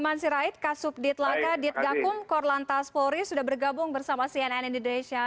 masyarakat kasub ditelan adit gakum korlantas polri sudah bergabung bersama cnn indonesia